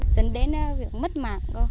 dẫn đến việc mất mạng cô